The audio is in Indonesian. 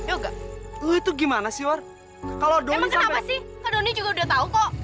emang kenapa sih kak doni juga udah tau kok